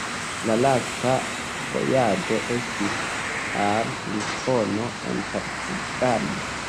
La lasta vojaĝo estis al Lisbono en Portugalio.